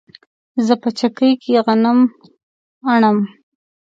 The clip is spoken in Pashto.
زه په چکۍ کې غنم اڼم